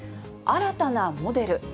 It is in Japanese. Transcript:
新たなモデル。